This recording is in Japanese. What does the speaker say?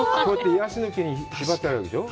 ヤシの木に縛ってあるんでしょ？